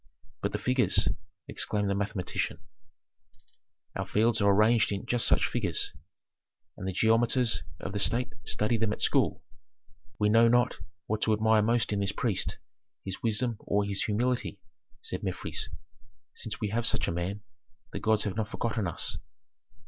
"But the figures?" exclaimed the mathematician. "Our fields are arranged in just such figures, and the geometers of the state study them at school." "We know not what to admire most in this priest, his wisdom or his humility," said Mefres. "Since we have such a man, the gods have not forgotten us."